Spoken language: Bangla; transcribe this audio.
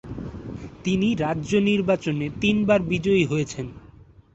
তিনি রাজ্য নির্বাচনে তিনবার বিজয়ী হয়েছেন।